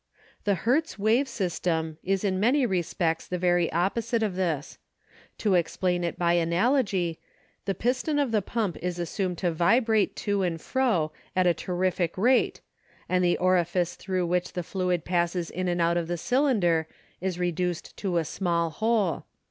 The Hertz wave system is in many re spects the very opposite of this. To ex plain it by analogy, the piston of the pump is assumed to vibrate to and fro at a ter rific rate and the orifice thru which the fluid passes in and out of the cylinder is reduced to a small hole.